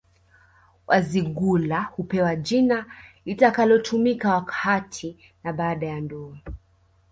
Wazigula hupewa jina litakalotumika wakati na baada ya ndoa